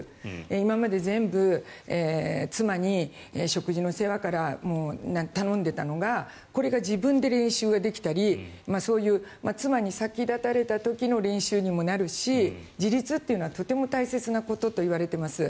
今まで全部、妻に食事の世話から頼んでいたのがこれが自分で練習ができたりそういう妻に先立たれた時の練習にもなるし自立というのはとても大切なことといわれています。